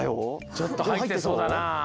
ちょっとはいってそうだなあ。